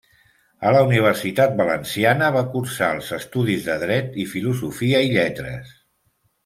A la Universitat valenciana va cursar els estudis de dret i filosofia i lletres.